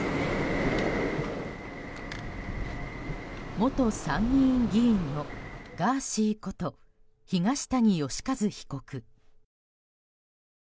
元参議院議員のガーシーこと東谷義和被告。